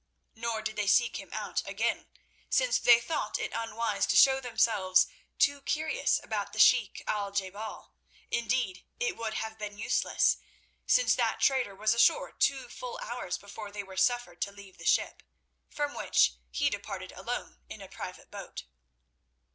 Nor did they seek him out again, since they thought it unwise to show themselves too curious about the Sheik Al je bal. Indeed, it would have been useless, since that trader was ashore two full hours before they were suffered to leave the ship, from which he departed alone in a private boat.